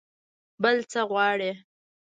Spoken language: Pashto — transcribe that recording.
بل څه غواړئ؟